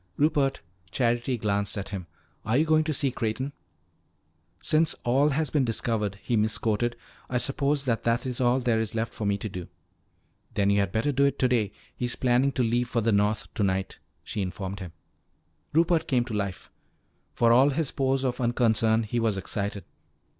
"Rupert," Charity glanced at him, "are you going to see Creighton?" "Since all has been discovered," he misquoted, "I suppose that that is all there is left for me to do." "Then you had better do it today; he's planning to leave for the North tonight," she informed him. Rupert came to life. For all his pose of unconcern, he was excited.